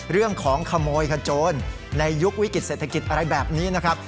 เรื่องของขโมยขโจรในยุควิกฤตเศรษฐกิจอะไรแบบนี้นะครับ